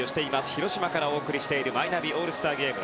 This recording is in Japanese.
広島からお送りしているマイナビオールスターゲーム